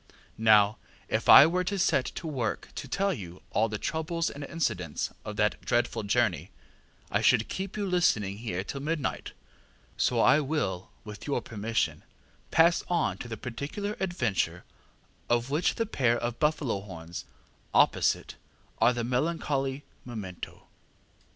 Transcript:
Now if I were to set to work to tell you all the troubles and incidents of that dreadful journey I should keep you listening here till midnight; so I will, with your permission, pass on to the particular adventure of which the pair of buffalo horns opposite are the melancholy memento.